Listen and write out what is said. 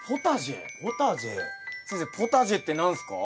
先生ポタジェって何すか？